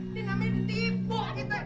dinamain ditibuk kita